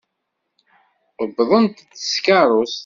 Uwḍent-d s tkeṛṛust.